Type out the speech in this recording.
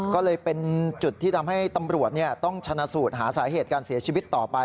ก็เลยเป็นจุดที่ทำให้ตำรวจต้องชนะสูตรหาสาเหตุการเสียชีวิตต่อไป